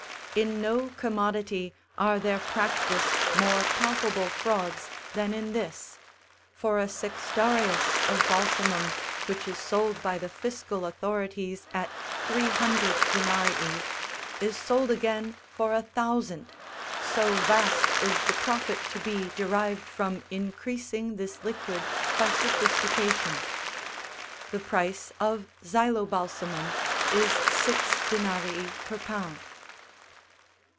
In no commodity are there practised more palpable frauds than in this, for a sextarius of balsamum which is sold by the fiscal authorities at three hundred denarii, is sold again for a thousand, so vast is the profit to be derived from increasing this liquid by sophistication. The price of xylobalsamum is six denarii per pound.